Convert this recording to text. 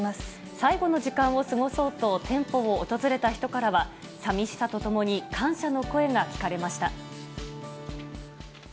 最後の時間を過ごそうと、店舗を訪れた人からは、さみしさとともに感謝の声が聞かれました。